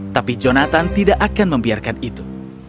tapi jonathan tidak akan membiarkan itu